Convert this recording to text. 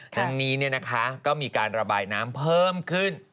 ทั้งนี้ก็มีการระบายน้ำเพิ่มขึ้น